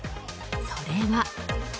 それは。